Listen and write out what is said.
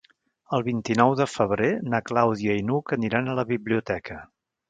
El vint-i-nou de febrer na Clàudia i n'Hug aniran a la biblioteca.